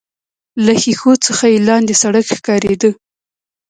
له ښيښو څخه يې لاندې سړک ښکارېده.